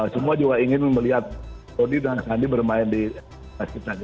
semua juga ingin melihat jordi dan sandi bermain di basket rack